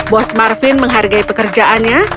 bos marvin menghargai pekerjaannya